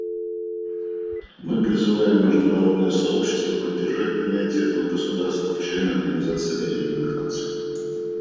Мы призываем международное сообщество поддержать принятие этого государства в члены Организации Объединенных Наций.